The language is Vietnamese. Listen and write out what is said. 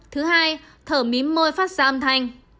thứ hai thở mím môi phát ra âm thanh